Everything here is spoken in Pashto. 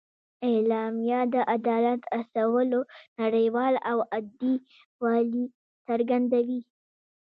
اعلامیه د عدالت اصولو نړیوال او ابدي والي څرګندوي.